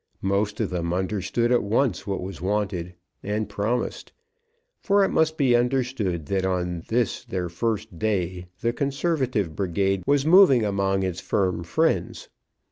Most of them understood at once what was wanted, and promised. For it must be understood that on this their first day the conservative brigade was moving among its firm friends.